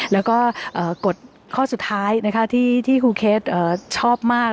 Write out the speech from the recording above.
แล้วก็กฎข้อสุดท้ายที่ครูเคสชอบมาก